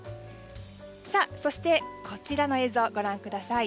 さあ、そして、こちらの映像をご覧ください。